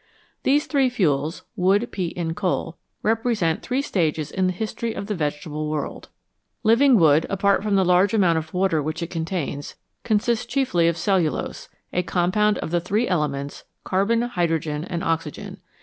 These three fuels, wood, peat, and coal, represent three stages in the history of the vegetable world. Living 131 NATURE'S STORES OF FUEL wood, apart from the large amount of water which it contains, consists chiefly of cellulose, a compound of the three elements, carbon, hydrogen, and oxygen.